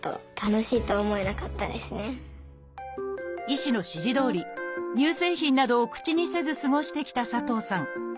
医師の指示どおり乳製品などを口にせず過ごしてきた佐藤さん。